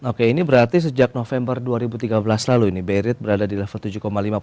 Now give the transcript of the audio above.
oke ini berarti sejak november dua ribu tiga belas lalu ini barrid berada di level tujuh lima persen